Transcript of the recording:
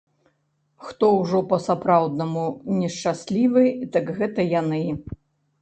Хто ўжо па-сапраўднаму нешчаслівы, дык гэта яны.